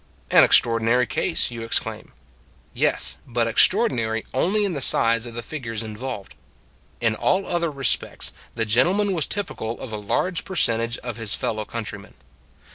An extraordinary case, you exclaim. Yes but extraordinary only in the size of the figures involved. In all other re spects the gentleman was typical of a large percentage of his fellow countrymen.